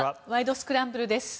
スクランブル」です。